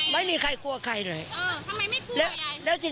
ก็มีข้าวกล่องตรงนี้